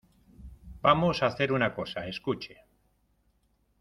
vamos a hacer una cosa. escuche .